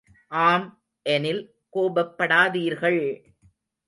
ஆம் எனில் கோபப்படாதீர்கள்!